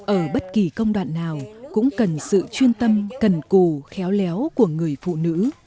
ở bất kỳ công đoạn nào cũng cần sự chuyên tâm cần cù khéo léo của người phụ nữ